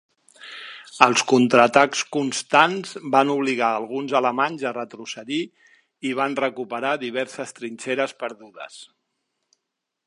Els contraatacs constants van obligar a alguns alemanys a retrocedir i van recuperar diverses trinxeres perdudes.